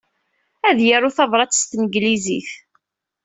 Ad yaru tabṛat s tanglizit.